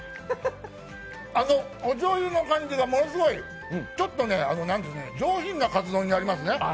おしょうゆの感じがものすごいちょっとね、上品なカツ丼になりますね。